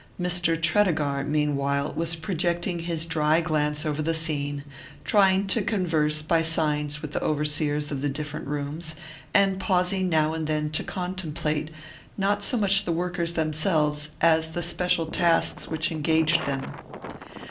Mr. Tredegar, meanwhile, was projecting his dry glance over the scene, trying to converse by signs with the overseers of the different rooms, and pausing now and then to contemplate, not so much the workers themselves as the special tasks which engaged them.